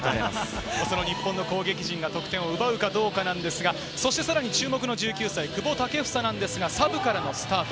日本の攻撃陣が得点を奪うかどうかなんですが、さらに注目の１９歳、久保建英なんですがサブからのスタート。